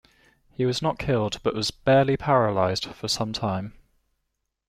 He was not killed but was "badly paralyzed" for some time.